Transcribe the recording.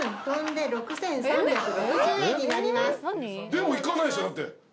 でもいかないでしょだって。